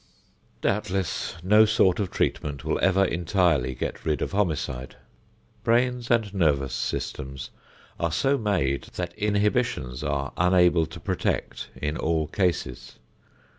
Doubtless no sort of treatment will ever entirely get rid of homicide. Brains and nervous systems are so made, that inhibitions are unable to protect in all cases.